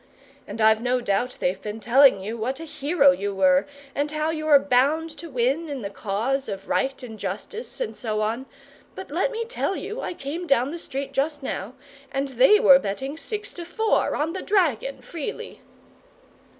And I've no doubt they've been telling you what a hero you were, and how you were bound to win, in the cause of right and justice, and so on; but let me tell you, I came down the street just now, and they were betting six to four on the dragon freely!"